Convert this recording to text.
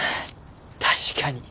確かに。